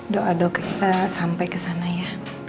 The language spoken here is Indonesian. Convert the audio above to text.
doa doa kita sampai kesana ya